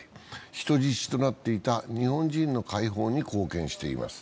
人質となっていた日本人の解放に貢献しています。